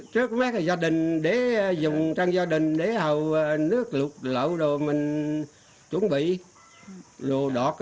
trước mấy gia đình để dùng trang gia đình để hầu nước lụt lộn đồ